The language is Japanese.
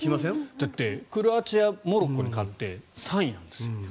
だってクロアチアはモロッコに勝って３位なんですよ。